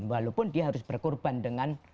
walaupun dia harus berkorban dengan